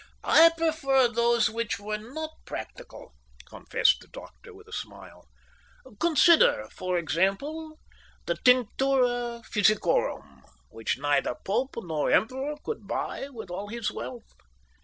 "I prefer those which were not practical," confessed the doctor, with a smile. "Consider for example the Tinctura Physicorum, which neither Pope nor Emperor could buy with all his wealth.